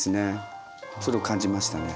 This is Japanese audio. それを感じましたね。